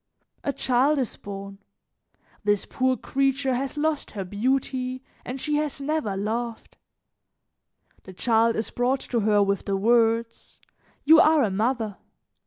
A child is born. This poor creature has lost her beauty and she has never loved. The child is brought to her with the words: 'You are a mother.'